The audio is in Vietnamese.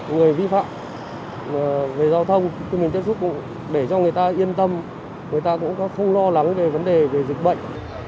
người vi phạm về giao thông mình tiếp xúc cũng để cho người ta yên tâm người ta cũng không lo lắng về vấn đề về dịch bệnh